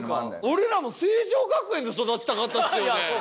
俺らも成城学園で育ちたかったですよね。